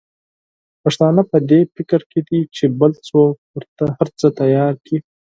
پښتانه په دي فکر کې دي چې بل څوک ورته هرڅه تیار کړي.